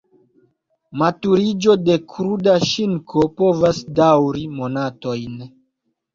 Maturiĝo de kruda ŝinko povas daŭri monatojn.